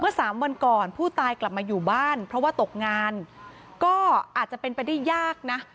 สามวันก่อนผู้ตายกลับมาอยู่บ้านเพราะว่าตกงานก็อาจจะเป็นไปได้ยากนะ